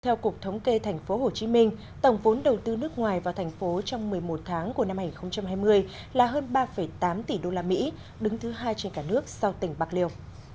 theo cục thống kê tp hcm tổng vốn đầu tư nước ngoài vào thành phố trong một mươi một tháng của năm hai nghìn hai mươi là hơn ba tám tỷ usd đứng thứ hai trên cả nước sau tỉnh bạc liêu